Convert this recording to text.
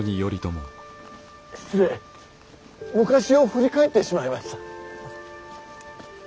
失礼昔を振り返ってしまいました。